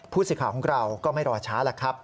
ผู้สิทธิ์ข่าวของเราก็ไม่รอช้าละครับ